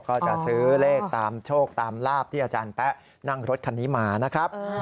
ก็จะซื้อเลขตามโชคตามลาบที่อาจารย์แป๊ะนั่งรถคันนี้มานะครับ